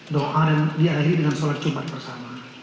doa dan diakhiri dengan sholat jumat bersama